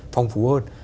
phong phú hơn